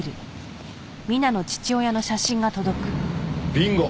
ビンゴ。